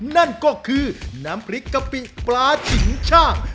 นั่นก็คือน้ำพริกกะปิปลาฉิงชาก